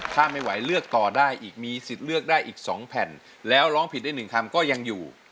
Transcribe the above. ถ้าไม่ไหวเลือกต่อได้อีกมีสิทธิ์เลือกได้อีก๒แผ่นแล้วร้องผิดได้๑คำก็ยังอยู่